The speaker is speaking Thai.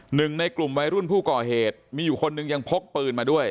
หนึ่งในกลุ่มวัยรุ่นผู้ก่อเหตุมีอยู่คนหนึ่งยังพกปืนมาด้วย